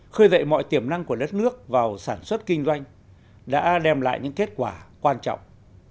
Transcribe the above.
khơi dậy mọi tiềm năng của đất nước vào sản xuất kinh doanh đã đem lại những kết quả quan trọng